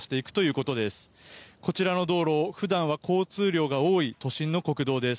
こちらの道路普段は交通量が多い都心の国道です。